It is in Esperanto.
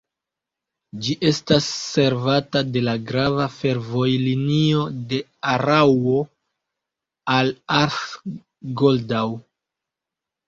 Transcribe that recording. Ĝi estas servata de la grava fervojlinio de Araŭo al Arth-Goldau.